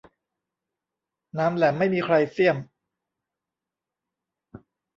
หนามแหลมไม่มีใครเสี้ยม